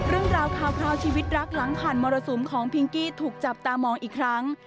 เรื่องราวข่าวคราวชีวิตรักหลังผ่านมรสุมของพิงกี้ถูกจับตามองอีกครั้ง